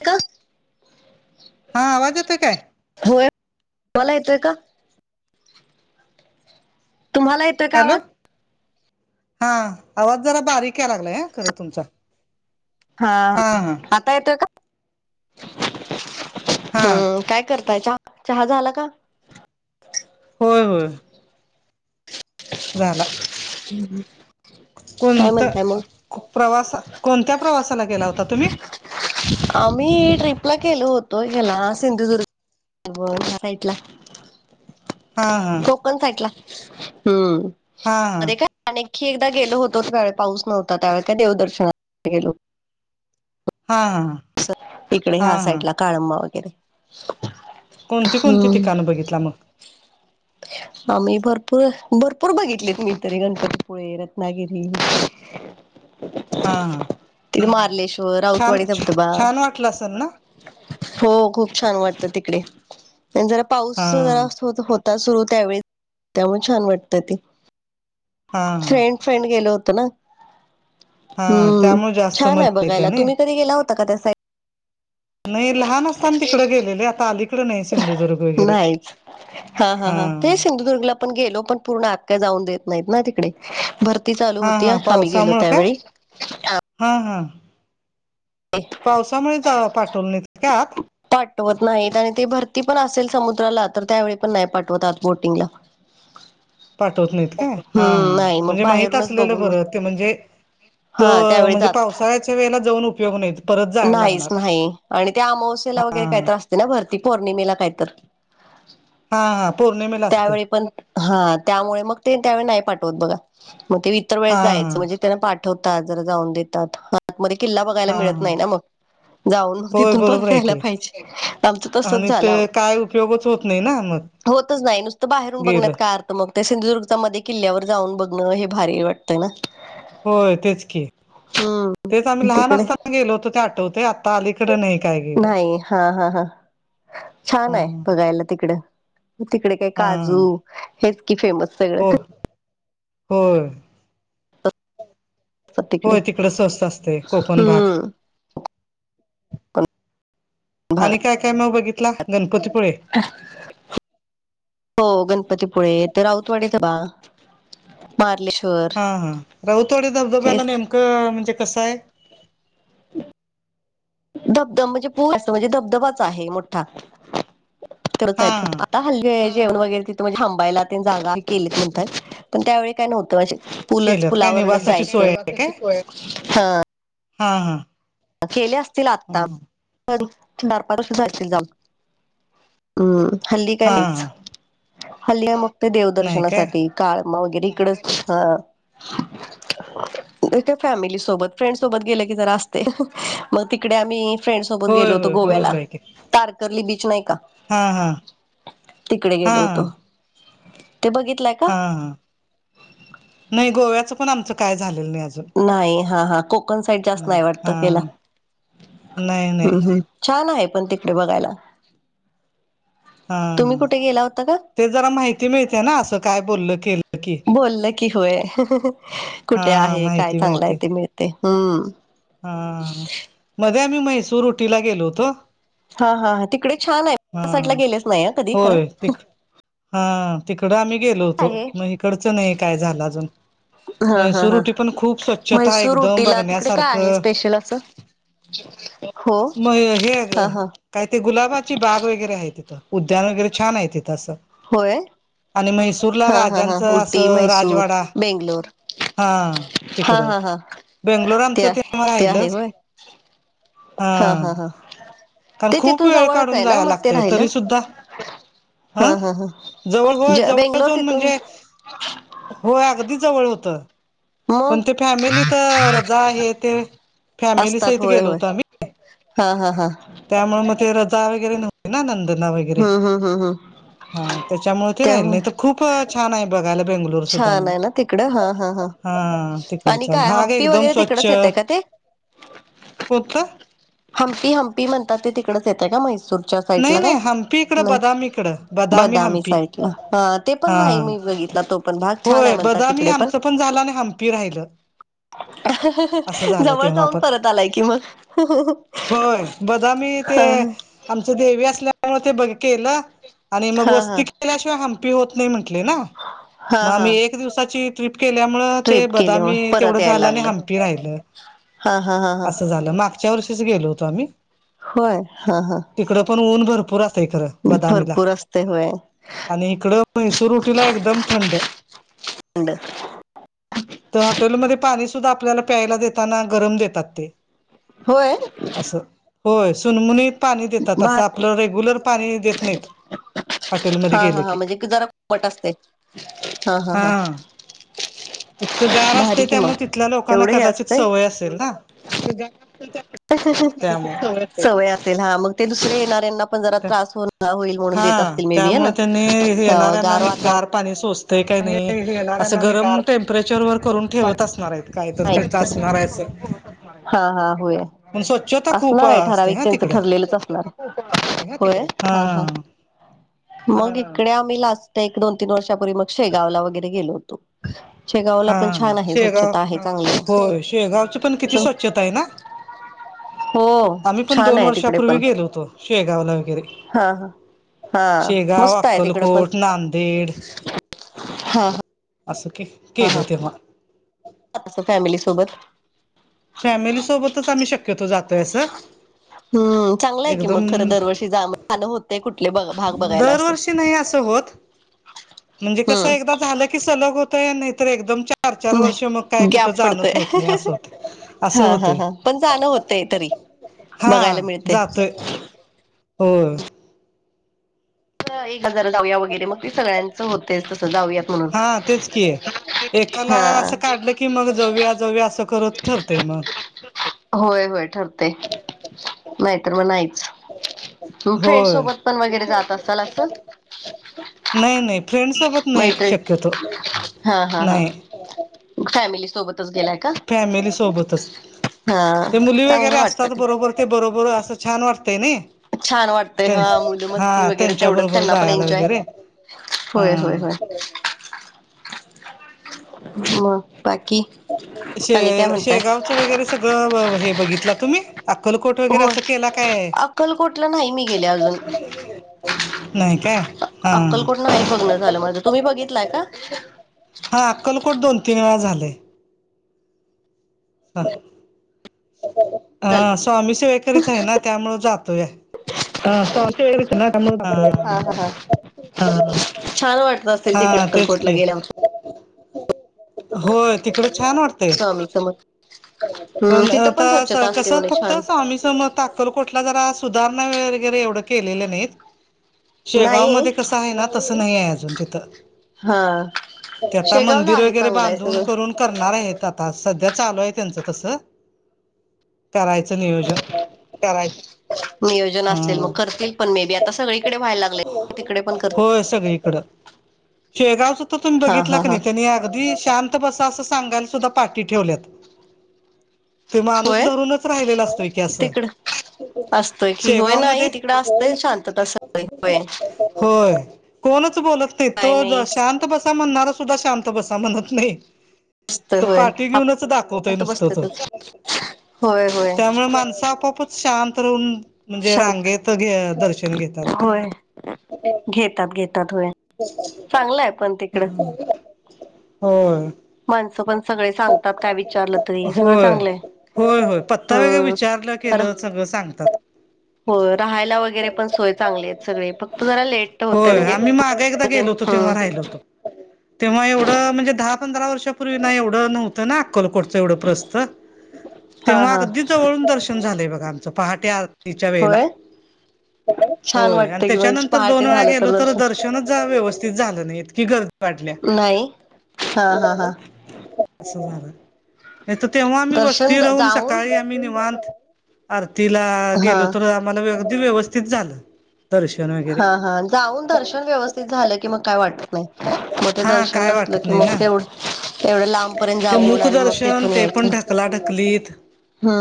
क. [unintelligible] हा आवाज येतोय काय? होय तुम्हाला येतोय का? तुम्हाला येत हॅलो हा आवाज जरा बारीक आहे लागलाय ह खरं तुमचा. हा आता येतोय का? हा हम्म काय करताय चहा -चहा झाला का? होय होय. झाला. हम्म हम्म. कोणतं प्रवास कोणत्या प्रवासाला गेला होता तुम्ही. आम्ही ट्रिपला क गेलो होतो ह्याला सिंधुदुर्ग [unintelligible] हा हा. पण साईटला हम्म. हा. मध्ये काय आणखी एकदा गेलो होतोच त्यावेळी पाऊस नव्हता त्यावे काय देवदर्शना गेलो. हा. तिकडे ह्या हा हा साईड ला काळंबा वगैरे कोणती कोणती ठिकाणं बघितला मग. म मी भरपूर भरपूर बघितलीत मी तरी गणपतीपुळे रत्नागिरी. [inaudible] हा हा. ति मारलेश्वर छान राऊतवाडी धबधबा. छान वाटलं असेल ना हो खूप छान वाटत तिकडे जरा हा पाऊस जरा स होत त्या सुरू त्यावेळी त्यामुळे छान वाटतं ते. हा हा. फ्रेड गेलो होतो ना. हा हम्म त्यामुळे जास्त छान आहे मजा येते बघायला ना तुम्ही कधी गेला होता का त्यासा नाही लहान असताना तिकडं गेलेले आता अलीकड नाही सिंधुदुर्ग वगैरे‌. नाहीच हा हा हा ते स पण गेलो पण पूर्ण आत्या जाऊ देत नाही तीकडे भर ती चालू हा होती हा आम्ही गेलो पावसामुळं काय त्यावेळी अ हा हा पावसामुळे जा पाठवलं नाहीत काय आत. पाठवत नाहीत आणि ते भरती पण असेल समुद्राला तर त्यावेळी पण नाही पाठवत आात बोटिंगला. [inaudible] पाठवत नाहीत काय हा हा हम्म नाही मग म्हणजे माहित बाहेरूनच असलेलं बघून मग बरं ते म्हणजे तो हा त्यावेळी च म्हणजे आत. पावसाळ्याच्या वेळेला जाऊन उपयोग नाहीत. नाहीच नाही आणि त्या अमावस्याला हा वगैरे काहीतर असते ना भरती पौर्णिमेला काहीतर. हा हा पौर्ण त्यावेळी पण हा त्यामुळे मग ते त्यावेळी नाही पाठवत बघा मग ते इतर वेळी हा हा जायचं म्हणजे त्यांना पाठवतात जरा जाऊन देतात हातमध्ये किल्ला बघायला हा मिळत हा नाही ना मग. जाऊन मग होय तिथून बरोबर परत आहे यायला की पाहिजे आमचं तसच आणि झालं ते आवो. काय उपयोगच होत नाही ना मग. [unintelligible] नुसतंच बाहेरून गेलं बघण्यात काय आर तर मग ते सिंधुदुर्गचामध्ये किल्ल्यावर जाऊन बघणं हे भारी वाटतंय ना? होय तेच की. हम्. तेच आम्ही लहान असताना गेलो होतो ते आठवतेय आत्ता अलीकड नाही काय गे नाही हा हा हा छान हा आहे बघायला तिकडं तिकडे काय हा काजू हेच की फेमस. सगळं हो होय. तिकडे होय तिकड स्वस्त असतय कोकण भाग. हम्म. पण आणि काय काय मग बघितला गणपतीपुळे. हो गणपतीपुळे तर राऊतवाडीच बा. मारलेश्वर. हा हा राऊतवाडी धबधब्याला नेमकं म्हणजे कसाय. धबधब म्हणजे पोत म्हणजे धबधबाच आहे मोठा. करता हा येथ. हा ता हल्ली जेवण वगैरे तिथे म्हणजे हंबायला ते जागा केली कोणतं पण त्यावेळी काय नव्हतं अशे पुलच केल्यात काय पुलावरन निवासाची सोय जायचं आहे काय [unintelligible] हा. हा हा. केले असतील आता हा पण डारपार सुधरतील जाऊ. हम्म हल्ली काय नाहीच हा हल्ली मग ते नाही काय देवदर्शनासाठी काळमा वगैरे इकडच हा मग काय फॅमिली सोबत फ्रेंड सोबत गेल की जरा असतय ते मग तिकडे आम्ही फ्रेंड सोबत गेलो होय होतो होय गोव्याला बरोबर आहे की तारकर्ली बीच नाही का? हा हा तिकडे हा गेलो होतो ते बघितलाय? हा हा नाही गोव्याचं पण आमचं काय झालेलं नाही अजून. नाही हा हा कोकण साईड जास्त नाही वाटत गेला नाही नाही ह् ह. छान आहे पण तिकडे बघायला. हा तुम्ही हा कुठे गेला होता का? ते जरा माहिती मिळते ना असं काय बोललं केलं की बोलल की होय. हा कुठे आहे काय माहिती चांगलं आहे मिळते ते मिळते हम्म. हा मध्ये आम्ही म्हैसूर उटीला गेलो होतो. हा हा हा तिकडे छान आहे हा साईटला गेलेच नाही ह कधी खरं. होय तिक हा तिकडं आम्ही गेलो होतो आहे मग इकडचं नाही काय झालं अजून. हा हा हा म्हैसूरुटी पण खूप स्वच्छता म्हैसूर एकदम उटीला तिकडे काय आहे बघण्यासारखं. स्पेशल असं हो म ग हे हा ग हा काय ते गुलाबाची बाग वगैरे आहे तिथं उद्यान वगैरे छान आहे तिथं असं. होय. आणि म्हैसूरला हा हा हा राजांचं उटी असं म्हैसूर राजवाडा. बेंगलोर हा हा तिकडं. हा हा बेंगलोर आमचं ते आहे आहे राहिलच. होय हा. कारण ते खूप तिथून वेळ जवळच काढून आहे ना जायला मग ते लागतय. राहिलं तरी सु ता. हा हा हा जवळ होय ज जवळ बेंगलोर जवळ तिथून म्हणजे. होय. अगदी जवळ होतं. पण मग ते फॅमिली तर जा हे ते. फॅमिली असतात सहित होय गेलो होय होतो आम्ही. हा हा हा. त्यामुळे मग ते रजा वगैरे नव्हते ना. नंदाना वगैरे. हम्म हम्म हम्म हम्म वैगेरे. त्याच्यामुळे ते राहिल. त्यामुळे नाहीत खूप छान आहे बघायला बेंगलुर सुद्धा छान म्हणे. आहे ना तिकडं हा हा तिकडचा. भाग एकदम स्वच्छ तीकडच येतय का ते. कोनतं. हंपी हंपी म्हणतात. ते तिकडच येते का? मैसूर साईट नाही ला काय. नाही हम्पी इकडं बदामी इकडं बदामी हम्पी साईट ला. हा तेपण नाही मी बघितला तो. पण भाग छान आहे होय. म्हणतात बदामी तिकडे आमचं पण झालं. आणि हम्पी राहिलं. असं झालं जवळ तेव्हा जाऊन पण परत आलाय की म. होय बदामी ते, आमची देवी असल्यामुळे, ते बघीतलं. आणि मग हा वस्ती हा केल्याशिवाय हंपी होत नाही म्हटले ना. हा म आमही हा एक दिवसाची ट्रिप केल्यामुळ ते ट्रिप केली मग बदामी परत तेवढं यायला झालं. आणि लागलं हम्पी राहिलं. हा हा हा हा. असं झालं मागच्या वर्षीच गेल होतो आम्ही. होय. हा हा. तिकडे पण ऊन भरपूर असतय खरं. बदामीला. भरपूर असते होय आणि इकड म्हैसरुटीला एकदम थंड. थंड. त्या हॉटेलमध्ये पाणी सुद्धा आपल्याला प्यायला देताना. गरम देतात ते. होय? असं होय सुनमुनीत पाणी देतात. असं भार आपलं रेग्युलर पाणी देत नाहीत. हॉटेलमध्ये हा हा गेलं हा. की म्हणजे जरा कोमट असतेय. हा हा हा. इतकं गार असते. भारी कि त्यामुळे तिथल्या मग लोकांना एवढं हे कदाचित असतंय सवय असेल ना. त्यामुळं सवय असेल हा. मग ते दुसऱ्या येणाऱ्यांना जरा त्रास होईल म्हणून हा देत असतील. May be. त्यामुळे त्यांनी येणाऱ्यांना गार आणि वातावरण गार पाणी सोसतंय काही नाही. असं येणाऱ्यांना आणि गरम गार टेम्परेचरवर करून ठेवत असणारे. काय तर ते आसणाराय अस. हा हा होय. खूप असणारे असते ठराविक हा त्यांचं तिकडं ठरलेलंच असणारे. होय हा हा. मग इकडे आम्ही लास्ट एक दोन तीन वर्षापूर्वी मग शेगावला वगैरे गेलो होतो. शेगावला पण छान आहे. स्वच्छता आहे चांगली. हो आहे शेगावची पण किती स्वच्छता आहे ना. हो आम्ही पण छान दोन आहे तिकडे वर्षापूर्वी पण गेलो होतो. शेगावला वगैरे. हा हा हा शेगाव, मस्त आहे तिकडं पण अक्कलकोट, नांदेड. हा हा. असं के केलं तेव्हा. फॅमिली सोबत. फॅमिली सोबतच. आम्ही शक्यतो जातोय अस. हम्म. चांगला आहे की मग खरं दरवर्षी जा झालं होतेय कुठले भाग बघायला असं. दरवर्षी नाही असं होत. म्हणजे कस हम्म एकदा झालं की सलग होतय. एकदम चार चार चार वर्ष मग काय नाही कुठ गॅप पडतोय जाणच होत नाही. असं होत असं हा हा होतय. हा पण जाणं होतंय तरी हा बघायला मिळते. जातोय. हो एक हजार जाऊया वगैरे. मग ते सगळ्यांचं होतेय तसं जाऊया. हा तेच की. एकाला असं हा काढलं की मग जाऊया जाऊया असं करत ठरतेय मग होय होय ठरते नाहीतर मग नाहीच. तू फ्रेंड होय सोबत पण वगैरे जात असाल असं. नाही नाही फ्रेंडसोबत नाही मैत्रिण शक्यतो हा हा हा नाही. फॅमिली सोबत फॅमिली सोबतच हा ते मुली वगैरे चांगलं असतात वाटतं बरोबर. ते बरोबर असं छान वाटतंय नाही. छान वाटतय हा मुल मस्ती वगैरे त्यांच्या तेवढंच बरोबर त्यांना पण जायला एन्जॉय वगैरे होय होय हा होय. म बाकी शे आणि काय म्हणताय शेगावच वगैरे सगळं हे बघितला तुम्ही? अक्कलकोट वगैरे होय असं केला काय? अक्कलकोटला नाही मी गेले अजून नाही काय हा अक्कलकोट नाही बघण झालं. माझं तुम्ही बघितलंय का? हा अक्कलकोट दोन तीन वेळा झाले. हा हा स्वामीसेवक. हा तो असे वेगच ना हा त्यामुळेतोया. ह ह छान वाटत. असेल हा तिकडे तेच अक्कलकोटला कि गेल्यावर होय तिकड छान वाटतंय. [unintelligible] पण तिथं आता स्वच्छता कस असते म्हणे फक्त छान स्वामीही समर. अक्कलकोटला जरा एवढे सुधारणा केलेले नाहीत शेगाव नाही मध्ये कस? आहे ना तसं नाही आहे अजून तिथं. हा ते आता शेगावला मंदिर आहे वगैरे चांगलं आहे बांधून सगळं करून करणार आहेत आता सध्या चालू आहे. त्यांच तस करायचं नियोजन नियोजन असेल मग हं करतील पण मे बी आता सगळीकडे व्हायला लागले. तिकडे पण कर होय सगळी इकडं. शेगावच तर तुम्ही हा बघितलं हा क हा नाही त्यांनी अगदी शांत बसा असं सांगायला सुद्धा पाठी ठेवल्यात. ते माणूस होय धरूनच राहिलेला असतोय की असं. तिकड असतोय की होय शेगावमध्ये नाही तिकड असतंय शांतता सगळी होय. होय कोणच बोलत नाही तो शांत बसा म्हणणार. तो शांत बसा म्हणत नाही त पाठी घेऊनच दाख. आता बसत त होय होय. माणसा आपपच शांत राहून म्हणजे शांत रांगेत दर्शन घेतात. होय. घेतात घेतात होया. हो. माणसं पण सगळे सांगतात काय विचारलं तरी सगळं होय चांगलंय. होय होय पत्ता वगरे हम्म विचारलं तर केलं सगळं सांगतात. हो राहायला वगैरे पण सोय चांगले आहेत सगळे फक्त जरा लेट. होतय होय म्हणजे आम्ही मागा एकदा गेलो होतो तेव्हा हम्म राहिलो होतो. तेव्हा एवढं म्हणजे दहा पंधरा वर्षापूर्वी ना एवढं नव्हतं ना. अकलकोटचं एवढं प्रस्थ हा तेव्हा हा अगदी जवळून दर्शन झालेय बघा आमचं पहाटे. आरतीच्या वेळेला होय छान होय आणि वाटतं कि मग त्याच्यानंतर. दोन पहाटे वेळा झालं गेलो तर दर्शन दर्शनच व्यवस्थित झालं नाही इतकी गर्दी वाटल्या. नाही हा हा हा. असं झाल नाही तर तेव्हा आम्ही दर्शन वस्ती राहून जाऊन सकाळी. आम्ही निवांत आरतीला गेलो हा तर आम्हाला अगदी व्यवस्थित झालं. दर्शन वगैरे. हा हा जाऊन दर्शन व्यवस्थित झालं की मग काय वाटत नाही. मग ते हा दर्शन काय नसलं वाटत की नाही मग ना तेवढ एवढं लांबपर्यंत ते जाऊन आणि मग मुकदर्शन ते पण ध. कलाटकलीत. हा.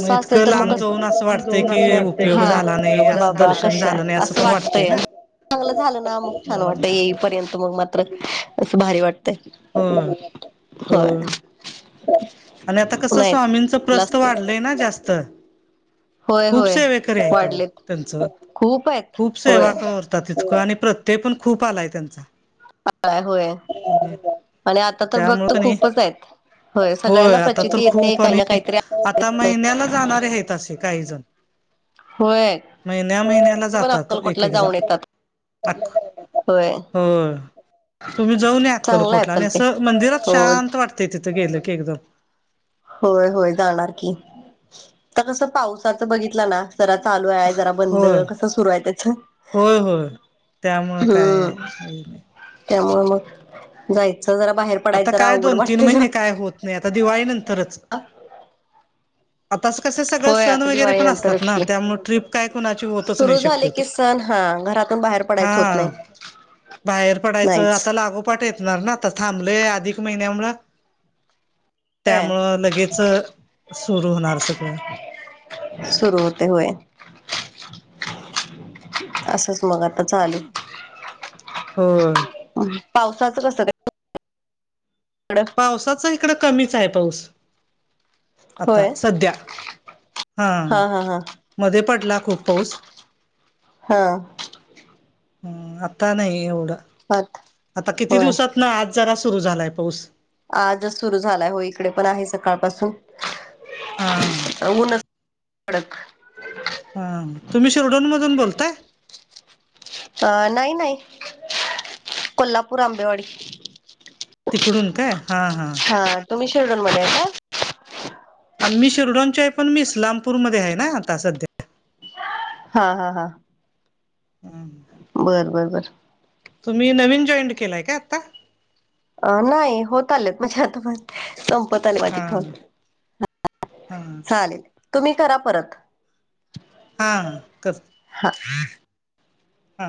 म इतकं लांब जाऊन असं वाटत जाऊन असं की वाटतंय की उपयोग झाला नाही उपयोग झाला असं नाही दर्शन झालं नाही असं. पण वाटते वाटतंय ना. चांगलं झालं ना मग छान वाटत येईपर्यंत मग मात्र असं भारी वाटत. होय होय आणि आता कस नाही स्वामींचं आपलं प्रस्त असतच वाढलंय ना जास्त. होय खूप होय सेवेकी आहेत वाढलेत त्यांच खूप आहेत खूप होय सेवाकावर. तितकं आणि प्रत्यय पण खूप आलाय त्यांचा. मग काय होय [inaudible] आणि आता तर त्यामुळं भक्त कणी खूपच आहेत होय सगळ्यांना आता तर प्रचिती येते खूप काही आणि ना काहीतरी [inaudible] आता [inaudible] महिन्याला जाणारे आहेत असे काही जण. होय महिन्या [inaudible] महिन्याला पण जातात एक अक्कलकोटला -एक जाऊन जण येतात. [inaudible] होय हो तुम्ही जाऊनया अक्कलकोट. चांगलं आहे कुठला आणि पण ते असं मंदिरात होय शांत वाटतय तिथं गेलं की एकदम होय- होय जाणार की' तर कसं पावसाचं बघितलं ना जरा चालू आहे, जरा बंद, होय कसं सुरू आहे त्याच होय -होय त्यामुळं काय हम्म त्यामुळे मग जायचं जरा बाहेर आता पडायचं जरा काय अवघड दोन- तीन वाटते महिने जरा काय होत नाही आता दिवाळी नंतरच आता अस कस सगळे होय सण आता वगैरे दिवाळी पण असतात ना त्यामुळे ट्रिप काय कुणाची होतच सुरु नाही झाले शक्यतो की सण हा घरातून बाहेर पडायच होत नाही हा [inaudible] बाहेर पडायचं नाहीच आता लागो. पट येतणार ना तर थांबले अधिक महिन्यामुळ. होय त्यामुळं लगेच सुरू होणार सगळं. सुरू होते होय. असच मग झालेत हो [inaudible] पावसाचं कसं काय? ह [inaudible] पावसाचं इकडं कमीच आहे पाऊस. आता होय सध्या हा हा हा मध्ये पडला खूप पाऊस. हा. हम् आता नाही एवढं. पार्थ. आता किती दिवसात ना आज जरा सुरू झालाय पाऊस. आजच सुरू झालाय होय इकडे पण आहे सकाळपासून [inaudible] हा- हा उन्हच कडक. हा तुम्ही शिरडून मधून बोलताय? अ नाही -नाही [inaudible] कोल्हापूर आंबेवाडी. तिकडून काय हां -हां हा तुम्ही शिर्डूनमध्ये आहे काय? आम्ही शिरडूनची आहे पण मी इस्लामपूर मध्ये आहे ना आता सध्या. का हा- हा- हा हम् [unintelligible] बरं -बरं- बरं तुम्ही नवीन जॉईंड केलाय काय आता? अ नाही होत आलेत म्हणजे [inaudible] आता माझं संपत आलेय हा -हा. चालेल -तुम्ही करा परत. हा- कर हा [inaudible] हा